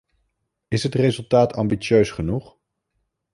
Is het resultaat ambitieus genoeg?